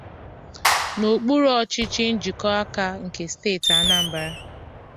n'okpuru ọchịchị Njikọka nke steeti Anambra